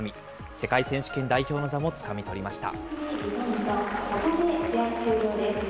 世界選手権代表の座をつかみ取りました。